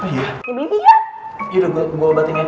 iya udah gua obatinnya